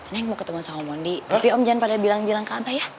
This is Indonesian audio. neng mau ketemuan sama om wondi tapi jangan pada bilang bilang ke abah ya